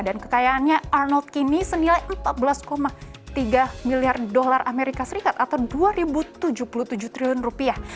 dan kekayaannya arnold kini senilai empat belas tiga miliar dolar amerika serikat atau dua ribu tujuh puluh tujuh triliun rupiah